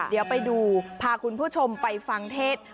เดี๋ยวไปดูพาคุณผู้ชมไปฟังเทศ